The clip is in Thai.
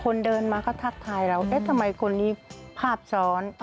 คนเดินมาเขาทักทายเราเอ๊ะทำไมคนนี้ภาพซ้อน